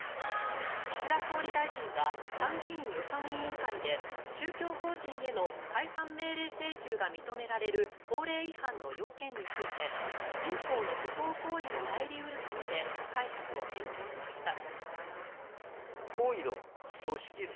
岸田総理大臣は参議院予算委員会で宗教法人への解散命令請求が認められる法令違反の要件について民法の不法行為も入り得ると述べ解釈を変更しました。